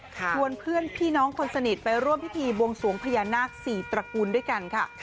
ชวนเพื่อนพี่น้องคนสนิทไปร่วมพิธีบวงสวงพญานาค๔ตระกูลด้วยกันค่ะ